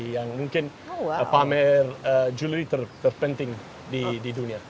yang mungkin pamer juli terpenting di dunia